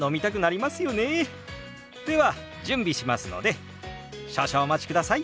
では準備しますので少々お待ちください。